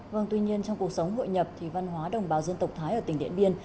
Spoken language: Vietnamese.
vâng tuy nhiên trong cuộc sống hội nhập thì văn hóa đồng bào dân tộc thái ở tỉnh điện biên